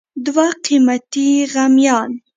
دوه قیمتي غمیان